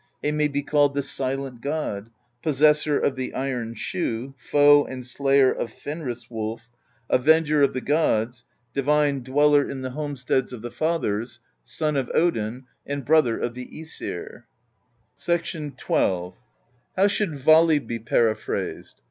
He maybe called the Silent God, Possessor of the Iron Shoe, Foe and Slayer of Fenris Wolf, Avenger of the Gods, Divine Dweller in 114 PROSE EDDA the Homesteads of the Fathers, Son of Odin, and Brother of the iEsir. XII. "How should Vali be periphrased?